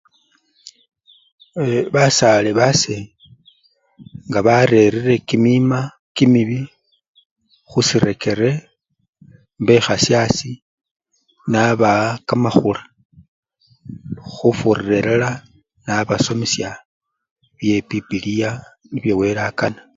Yee! basale base nga barerere kimima kimibii khusirekere, mbekhsya asii nabawa kamakhula, khufurira elala nabasomesya bye pipiliya nio wele akana